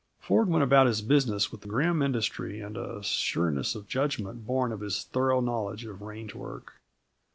Ford went about his business with grim industry and a sureness of judgment born of his thorough knowledge of range work.